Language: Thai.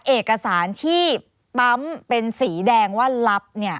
เอกสารที่ปั๊มเป็นสีแดงว่ารับ